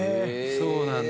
そうなんだ。